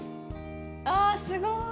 あー、すごい。